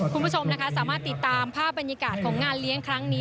คุณผู้ชมนะคะสามารถติดตามภาพบรรยากาศของงานเลี้ยงครั้งนี้